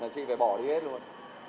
chị phải bỏ đi hết luôn